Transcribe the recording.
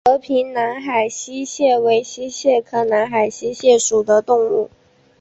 和平南海溪蟹为溪蟹科南海溪蟹属的动物。